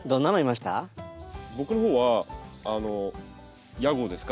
僕の方はヤゴですか？